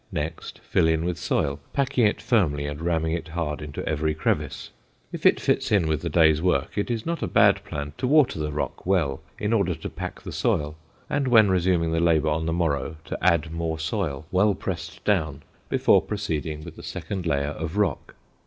Next, fill in with soil, packing it firmly and ramming it hard into every crevice. If it fits in with the day's work, it is not a bad plan to water the rock work well in order to pack the soil, and when resuming the labor on the morrow, to add more soil, well pressed down, before proceeding with the second layer of rock.